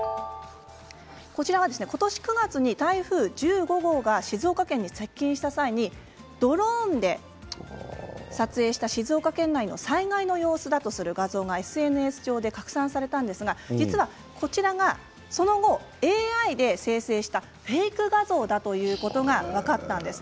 こちらは今年９月に台風１５号が静岡県に接近した際にドローンで撮影した静岡県内の災害の様子だとする画像がＳＮＳ上で拡散されたんですがこちらが、その後ＡＩで生成したフェーク画像だということが分かったんです。